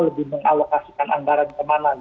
lebih mengalokasikan anggaran kemana